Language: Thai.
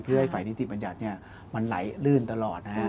เพื่อให้ไฟนิติบัญชรเนี่ยมันไหลลื่นตลอดนะฮะ